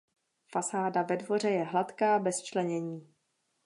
Fasáda ve dvoře je hladká bez členění.